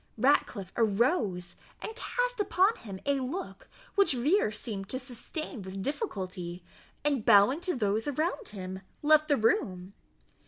Ratcliffe arose, and cast upon him a look, which Vere seemed to sustain with difficulty, and, bowing to those around him, left the room.